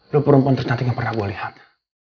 lo perempuan tercantik yang pernah gue lihat